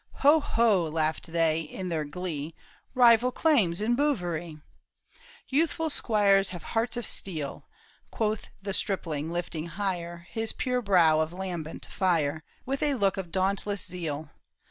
" Ho, ho," laughed they in their glee, "Rival claims in Bouverie !" THE TOWER OF BOUVERIE. ij "Youthful squires have hearts of steel," Quoth the stripling lifting higher His pure brow of lambent fire, With a look of dauntless zeal.